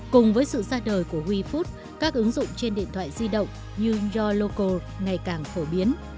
cùng với sự ra đời của wefood các ứng dụng trên điện thoại di động như yoloco ngày càng phổ biến